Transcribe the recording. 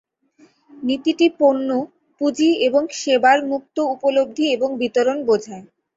নীতিটি পণ্য, পুঁজি এবং সেবার মুক্ত উপলব্ধি এবং বিতরণ বোঝায়।